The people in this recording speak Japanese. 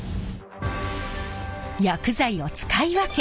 薬剤を使い分け